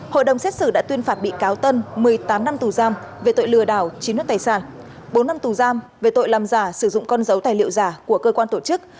hội đồng xét xử đã tuyên phạt bị cáo tân một mươi tám năm tù giam về tội lừa đảo chiếm đất tài sản bốn năm tù giam về tội làm giả sử dụng con dấu tài liệu giả của cơ quan tổ chức